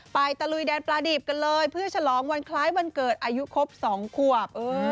ตะลุยแดนปลาดิบกันเลยเพื่อฉลองวันคล้ายวันเกิดอายุครบ๒ขวบ